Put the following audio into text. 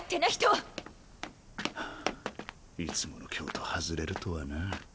はぁいつもの京都外れるとはな。